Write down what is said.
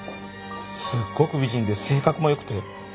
すっごく美人で性格もよくて。